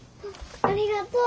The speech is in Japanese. ありがとう。